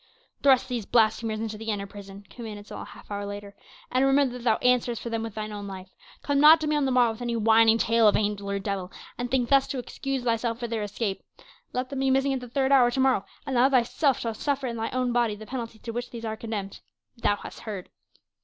"Thrust these blasphemers into the inner prison," commanded Saul a half hour later, "and remember that thou answerest for them with thine own life. Come not to me on the morrow with any whining tale of angel or devil, and think thus to excuse thyself for their escape. Let them be missing at the third hour to morrow, and thou thyself shalt suffer in thine own body the penalty to which these are condemned. Thou hast heard."